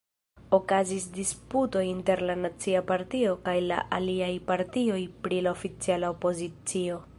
Okazis disputo inter la Nacia Partio kaj la aliaj partioj pri la oficiala opozicio.